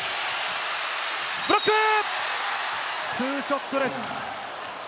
ブロック、ツーショットです。